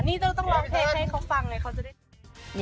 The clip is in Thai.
นี่ต้องร้องเพลงให้เขาฟังเลยเขาจะได้